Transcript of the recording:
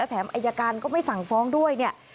แถมอายการก็ไม่สั่งฟ้องด้วยเนี่ย